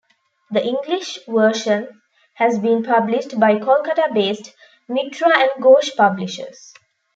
The English version has been published by Kolkata-based Mitra and Ghosh Publishers.